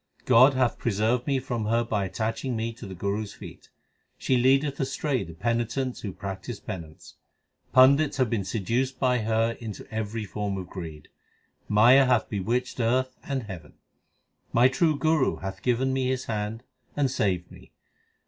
God hath preserved me from her by attaching me to the Guru s feet. She leadeth astray the penitents who practise penance. Pandits have been seduced by her into every form of greed. HYMNS OF GURU ARJAN 277 Maya hath bewitched earth and heaven. 1 My true Guru hath given me his hand and saved me.